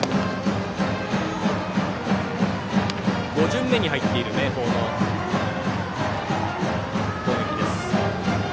５巡目に入っている明豊の攻撃です。